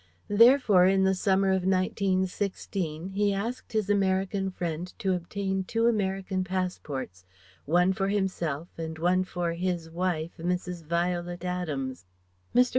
Therefore in the summer of 1916, he asked his American friend to obtain two American passports, one for himself and one for "his wife, Mrs. Violet Adams." Mr.